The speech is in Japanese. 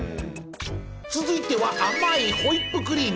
続いては甘いホイップクリーム。